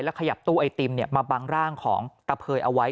ขยับตู้ไอติมมาบังร่างของตะเภยเอาไว้